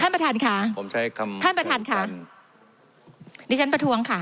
ประธานค่ะผมใช้คำท่านประธานค่ะดิฉันประท้วงค่ะ